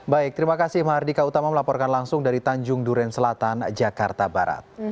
baik terima kasih mahardika utama melaporkan langsung dari tanjung duren selatan jakarta barat